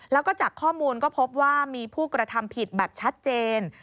แล้วก็จากข้อมูลก็พบว่ามีผู้กระทำผิดแบบชัดเจน